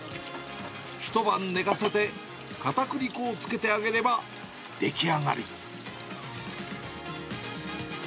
一晩寝かせて、かたくり粉をつけて揚げれば、出来上がり。